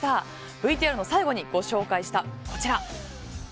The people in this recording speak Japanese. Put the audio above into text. ＶＴＲの最後にご紹介したこちら。